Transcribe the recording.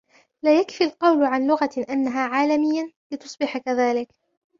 لا يكفي القول عن لغة أنها عالمية ، لتصبح كذلك.